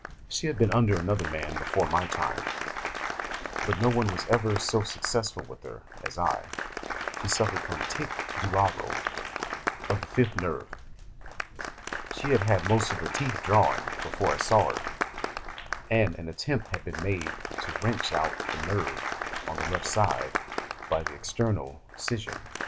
She had been under another man before my time, but no one was ever so successful with her as I. She suffered from tic douloureux of the fifth nerve. She had had most of her teeth drawn before I saw her, and an attempt had been made to wrench out the nerve on the left side by the external scission.